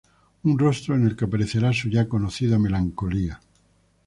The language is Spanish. Un rostro en el que aparece su ya conocida melancolía.